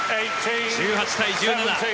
１８対１７。